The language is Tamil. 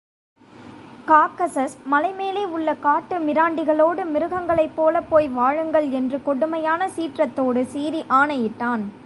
காக்கசஸ் மலைமேலே உள்ள காட்டு மிராண்டிகளோடு மிருகங்களைப் போல போய் வாழுங்கள் என்று கொடுமையான சீற்றத்தோடு சீறி ஆணையிட்டான்!